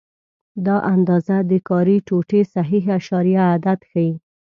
دا اندازه د کاري ټوټې صحیح اعشاریه عدد ښيي.